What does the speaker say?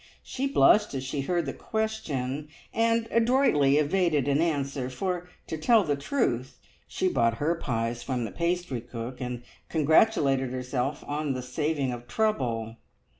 She blushed as she heard the question, and adroitly evaded an answer, for, to tell the truth, she bought her pies from the pastry cook, and congratulated herself on the saving of trouble.